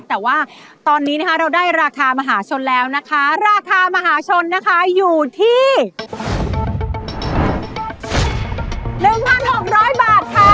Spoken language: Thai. แต่ว่าตอนนี้นะคะเราได้ราคามหาชนแล้วนะคะราคามหาชนนะคะอยู่ที่๑๖๐๐บาทค่ะ